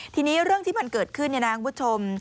ทีนี้เรื่องที่มันเกิดขึ้นคุณผู้ชม